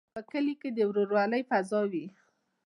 په کلیو کې د ورورولۍ فضا وي.